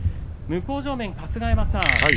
向正面、春日山さん